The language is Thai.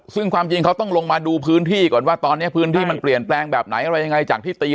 ซึ่งความจริงเขาต้องลงมาดูพื้นที่ก่อนว่าตอนนี้พื้นที่มันเปลี่ยนแปลงแบบไหนอะไรยังไงจากที่ตี